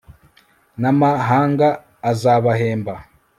n' amahanga azabahemba